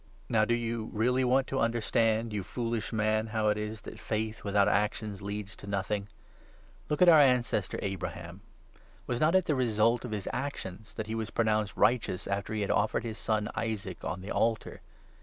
Now 20 do you really want to understand, you foolish man, how it is that faith without actions leads to nothing ? Look at our 21 ancestor, Abraham. Was not it the result of his actions that he was pronounced righteous after he had offered his son, Isaac, on the altar?